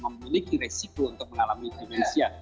memiliki resiko untuk mengalami dimensia